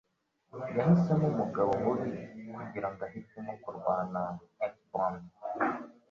Yahisemo umugabo mubi kugirango ahitemo kurwana (fcbond)